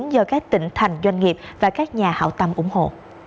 do các tỉnh thành doanh nghiệp và các nhà hảo tâm ủng hộ